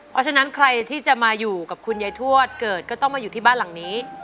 เพราะฉะนั้นใครที่จะมาอยู่กับคุณยายทวดเกิดก็ต้องมาอยู่ที่บ้านหลังนี้